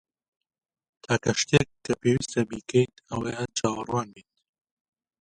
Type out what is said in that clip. تاکە شتێک کە پێویستە بیکەیت ئەوەیە چاوەڕوان بیت.